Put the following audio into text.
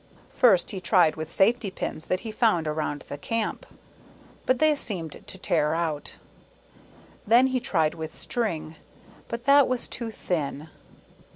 First he tried with safety pins that he found around the camp ; but they seemed to tear out. Then he tried with string, but that was too thin.